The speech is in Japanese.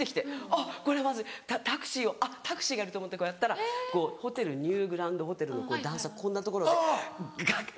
あっこれはまずいタクシーをあっタクシーがある！と思ってこうやったらホテルニューグランドホテルの段差こんな所でガッ！